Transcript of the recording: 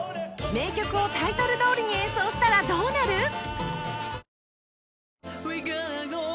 名曲をタイトルどおりに演奏したらどうなる？